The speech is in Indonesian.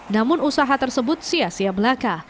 namun usaha tersebut sia sia belaka